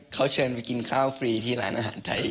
เขาเชิญไปกินข้าวฟรีที่ร้านอาหารไทย